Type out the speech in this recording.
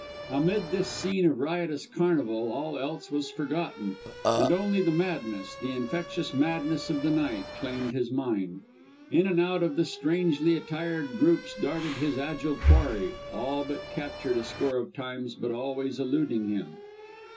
Amid this scene of riotous carnival all else was forgotten, and only the madness, the infectious madness of the night, claimed his mind. In and out of the strangely attired groups darted his agile quarry, all but captured a score of times, but always eluding him.